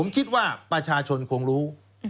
ผมคิดว่าประชาชนคงรู้